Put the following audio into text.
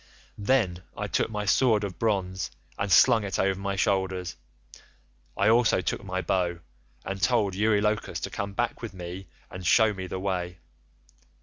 "Then I took my sword of bronze and slung it over my shoulders; I also took my bow, and told Eurylochus to come back with me and shew me the way.